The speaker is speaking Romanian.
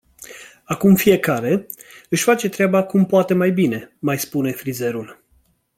Acum fiecare, își face treaba cum poate mai bine mai spune frizerul.